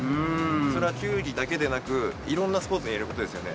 それは球技だけでなく、いろんなスポーツに言えることですよね。